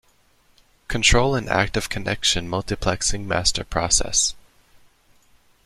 Control an active connection multiplexing master process.